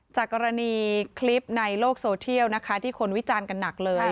จากกรณีคลิปในโลกโซเทียลนะคะที่คนวิจารณ์กันหนักเลย